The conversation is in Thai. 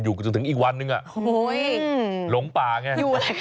อยู่จนถึงอีกวันนึงหลงป่าไง